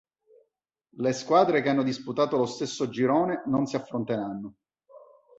Le squadre che hanno disputato lo stesso girone non si affronteranno.